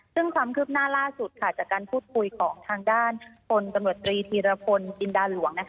ซึ่งความคืบหน้าล่าสุดจากการพูดคุยของทางด้านพลตำรวจตรีธีรพลจินดาหลวง